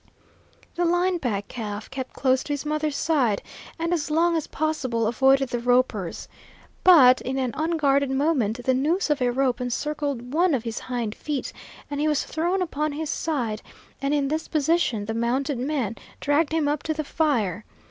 The line back calf kept close to his mother's side, and as long as possible avoided the ropers. But in an unguarded moment the noose of a rope encircled one of his hind feet, and he was thrown upon his side, and in this position the mounted man dragged him up to the fire.